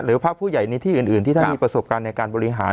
พระผู้ใหญ่ในที่อื่นที่ท่านมีประสบการณ์ในการบริหาร